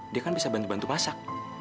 dia kan bisa bantu bantu masak